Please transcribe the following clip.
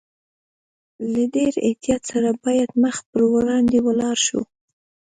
له ډېر احتیاط سره باید مخ پر وړاندې ولاړ شو.